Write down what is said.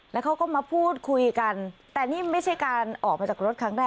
แล้วเขาก็มาพูดคุยกันแต่นี่ไม่ใช่การออกมาจากรถครั้งแรก